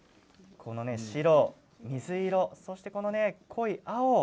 白、水色、そして濃い青。